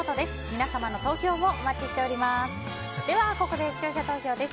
皆様のご投票をお待ちしております。